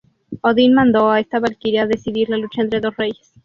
Odín mandó a esta valquiria decidir la lucha entre dos reyes.